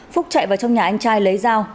phúc chạy vào trong nhà anh trai lấy dao